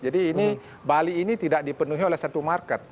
jadi ini bali ini tidak dipenuhi oleh satu market